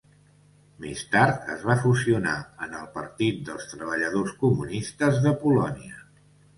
Més tard es va fusionar en el Partit dels Treballadors Comunistes de Polònia.